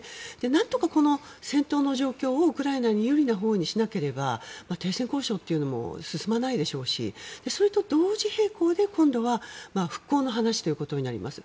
なんとか、この戦闘の状況をウクライナに有利なほうにしなければ停戦交渉というのも進まないでしょうしそれと同時並行で今度は復興の話ということになります。